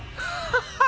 ハハハ！